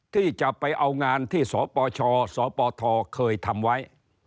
ที่จะไปเอางานที่สปชสปทเคยทำไว้